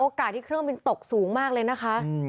ที่เครื่องบินตกสูงมากเลยนะคะ